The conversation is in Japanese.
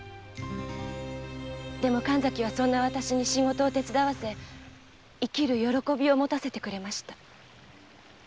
でも神崎は私に仕事を手伝わせ生きる喜びを持たせてくれました。